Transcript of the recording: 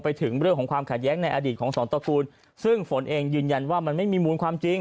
ไปถึงเรื่องของความขัดแย้งในอดีตของสองตระกูลซึ่งฝนเองยืนยันว่ามันไม่มีมูลความจริง